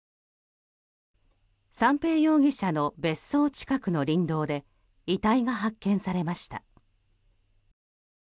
三瓶容疑者の別荘近くの林道で遺体が発見されました。